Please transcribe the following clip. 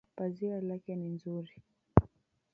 Pazia lake ni nzuri.